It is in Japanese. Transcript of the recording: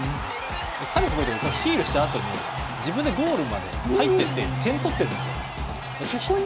彼のすごいところはヒールしたあとに自分でゴールまで入っていって点を取ってるんですよ。